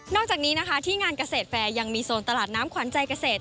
จากนี้นะคะที่งานเกษตรแฟร์ยังมีโซนตลาดน้ำขวัญใจเกษตร